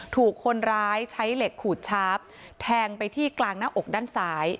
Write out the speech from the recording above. ถูกคนร้ายใช้เหล็กขูดชาร์ฟแทงไปที่กลางหน้าอกด้านซ้าย